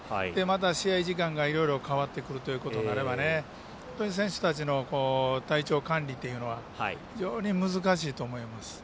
試合時間もいろいろ変わってくるということになれば本当に選手たちの体調管理というのは非常に難しいと思います。